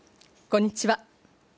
こんにちは。